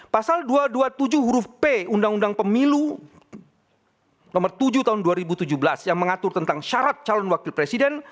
pasal dua ratus dua puluh tujuh huruf p undang undang pemilu nomor tujuh tahun dua ribu tujuh belas yang mengatur tentang syarat calon wakil presiden